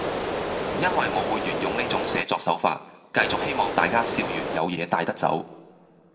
因為我會沿用呢種寫作手法，繼續希望大家笑完有嘢帶得走